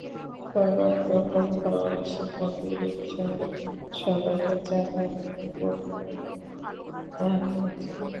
সড়ক দখল হওয়ায় শিক্ষার্থী, রোগীসহ সবাইকে যাতায়াতে প্রচণ্ড দুর্ভোগ পোহাতে হচ্ছে।